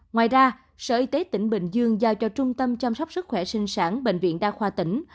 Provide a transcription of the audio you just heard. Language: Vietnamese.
ngoài ra sở y tế tỉnh bình dương giao cho trung tâm chăm sóc sức khỏe sinh sản bệnh viện đa khoa tỉnh